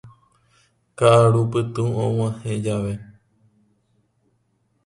Ka'arupytũ og̃uahẽ jave